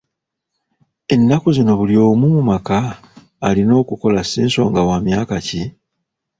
Ennaku zino buli omu mu maka alina okukola si nsonga wa myaka ki?